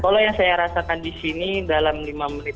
kalau yang saya rasakan di sini dalam lima menit